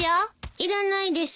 いらないです。